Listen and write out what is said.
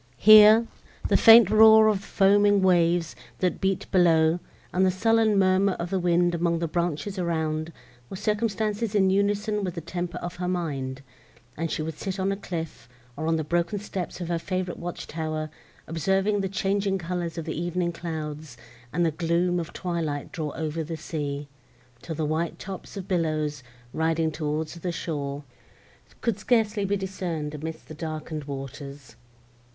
Here, the faint roar of foaming waves, that beat below, and the sullen murmur of the wind among the branches around, were circumstances in unison with the temper of her mind; and she would sit on a cliff, or on the broken steps of her favourite watch tower, observing the changing colours of the evening clouds, and the gloom of twilight draw over the sea, till the white tops of billows, riding towards the shore, could scarcely be discerned amidst the darkened waters.